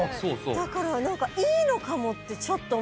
だからなんかいいのかもってちょっと思いました。